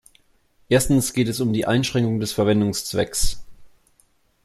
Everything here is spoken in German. Erstens geht es um die Einschränkung des Verwendungszwecks.